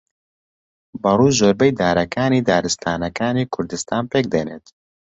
بەڕوو زۆربەی دارەکانی دارستانەکانی کوردستان پێک دێنێت